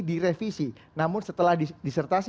direvisi namun setelah disertasi